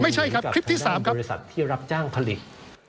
ไม่ใช่ครับคลิปที่๓ครับบริษัทที่รับจ้างผลิต